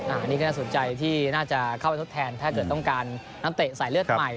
อันนี้ก็น่าสนใจที่น่าจะเข้าไปทดแทนถ้าเกิดต้องการนักเตะสายเลือดใหม่